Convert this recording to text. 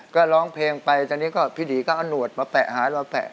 ก็ร้องเพลงไปตอนนี้ก็พี่ดีก็เอาหนวดมาแปะหามาแปะ